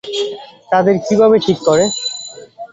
তাদের কীভাবে ঠিক কর?